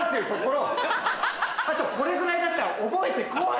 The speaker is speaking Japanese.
あとこれぐらいだったら覚えて来い！